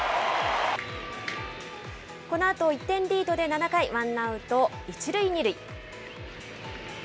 このあと、１点リードで７回、ワンアウト１塁２塁。